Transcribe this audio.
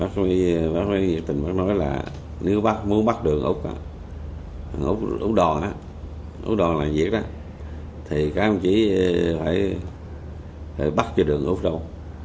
thì bác bác nói là nếu bác muốn bắt được úc úc đò úc đò làm việc đó thì cán bộ chỉ phải bắt cho được úc râu